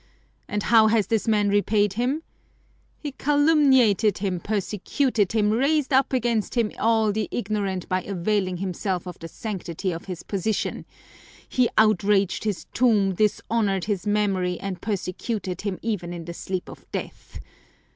And how has this man repaid him? He calumniated him, persecuted him, raised up against him all the ignorant by availing himself of the sanctity of his position; he outraged his tomb, dishonored his memory, and persecuted him even in the sleep of death!